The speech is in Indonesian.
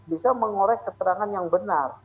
bisa mengorek keterangan yang benar